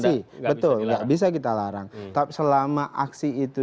tidak bisa kita larang tapi selama aksi itu